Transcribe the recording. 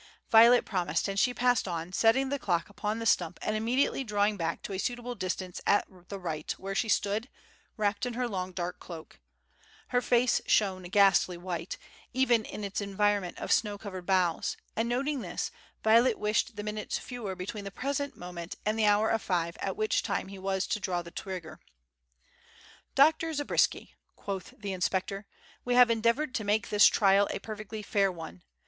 Violet promised, and she passed on, setting the clock upon the stump and immediately drawing back to a suitable distance at the right, where she stood, wrapped in her long dark cloak. Her face shone ghastly white, even in its environment of snow covered boughs, and noting this, Violet wished the minutes fewer between the present moment and the hour of five, at which time he was to draw the trigger. "Dr. Zabriskie," quoth the inspector, "we have endeavoured to make this trial a perfectly fair one.